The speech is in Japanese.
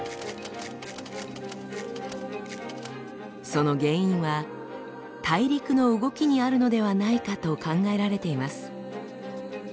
その原因は大陸の動きにあるのではないかと考えられています。